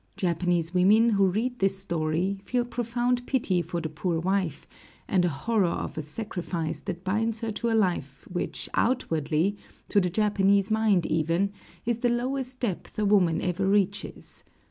Japanese women who read this story feel profound pity for the poor wife, and a horror of a sacrifice that binds her to a life which outwardly, to the Japanese mind even, is the lowest depth a woman ever reaches.